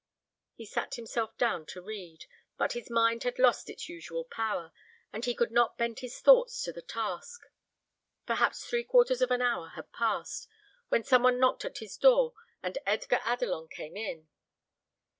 He sat himself down to read, but his mind had lost its usual power, and he could not bend his thoughts to the task. Perhaps three quarters of an hour had passed, when some one knocked at his door, and Edgar Adelon came in.